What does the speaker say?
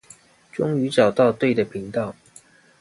終於找到對的頻道